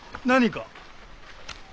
何か？